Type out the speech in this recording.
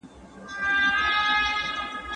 څلور جمع يو؛ پنځه کېږي.